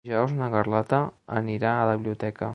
Dijous na Carlota anirà a la biblioteca.